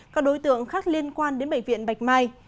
các đối tượng khác liên quan đến bệnh viện bạch mai